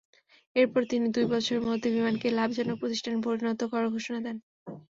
এরপর তিনি দুই বছরের মধ্যে বিমানকে লাভজনক প্রতিষ্ঠানে পরিণত করার ঘোষণা দেন।